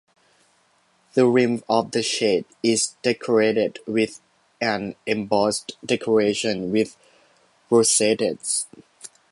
The rim of the shield is decorated with an embossed decoration with rosettes.